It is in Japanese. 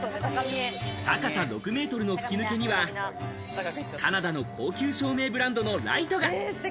高さ６ｍの吹き抜けにはカナダの高級照明ブランドのライトが。